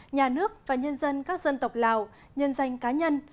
nhà nước và nhân dân các dân tộc lào nhân danh cá nhân